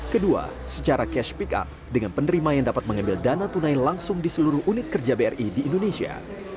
kedua secara cash pick up dengan penerima yang dapat mengambil dana tunai langsung di seluruh unit kerja bri di indonesia